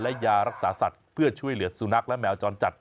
และยารักษาสัตว์เพื่อช่วยเหลือสุนัขและแมวจรจัด